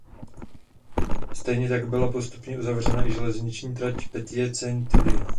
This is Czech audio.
Stejně tak byla postupně uzavřena i železniční trať Petite Ceinture.